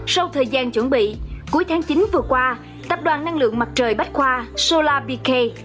sau thời gian chuẩn bị cuối tháng chín vừa qua tập đoàn năng lượng mặt trời bách khoa solarpk